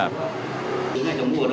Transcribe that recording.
mua bao tiền